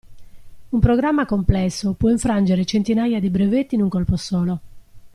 Un programma complesso può infrangere centinaia di brevetti in un colpo solo.